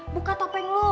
buka topeng lo